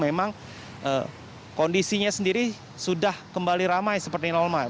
memang eh kondisinya sendiri sudah kembali ramai seperti yang lalu